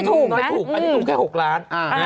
อันนี้ถูกแค่๖ล้าน